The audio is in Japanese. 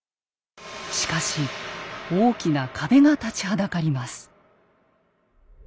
しかし大きな壁が立ちはだかります。